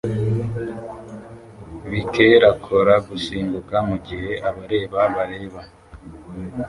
Biker akora gusimbuka mugihe abareba bareba